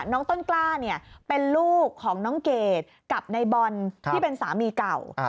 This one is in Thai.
น้องต้นกล้าเป็นลูกของน้องเกดกับนายบอลที่เป็นสามีเก่า